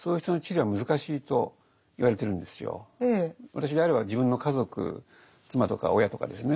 私であれば自分の家族妻とか親とかですね